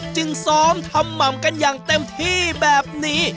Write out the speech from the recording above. จึงซ้อมทำหม่ำกันอย่างเต็มที่แบบนี้